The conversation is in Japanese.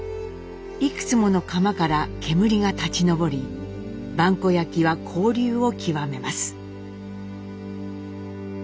いくつもの窯から煙が立ち上り萬古焼は興隆を極めます。